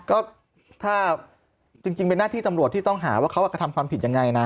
ก็ถ้าจริงเป็นหน้าที่ตำรวจที่ต้องหาว่าเขากระทำความผิดยังไงนะ